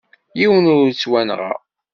Yiwen ur yettwanɣa.